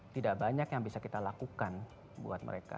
tidak banyak yang bisa kita lakukan buat mereka